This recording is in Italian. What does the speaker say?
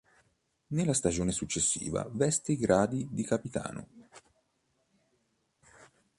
Nella stagione successiva veste i gradi di capitano.